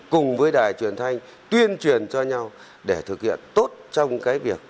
cùng với đài truyền thanh tuyên truyền cho nhau để thực hiện tốt trong cái việc